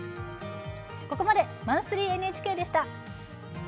ここまで「マンスリーＮＨＫ」でした。